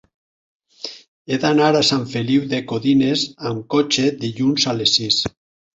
He d'anar a Sant Feliu de Codines amb cotxe dilluns a les sis.